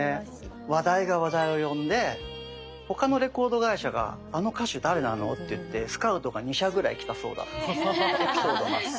話題が話題を呼んで他のレコード会社が「あの歌手誰なの？」っていってスカウトが２社ぐらい来たそうだというエピソードもあって。